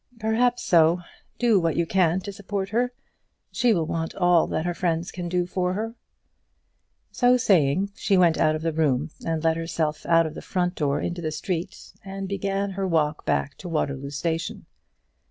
"Perhaps so. Do what you can to support her. She will want all that her friends can do for her." So saying she went out of the room, and let herself out of the front door into the street, and began her walk back to the Waterloo Station.